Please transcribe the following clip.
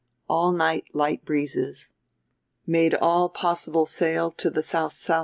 All night light breezes. Made all possible sail to the SSW.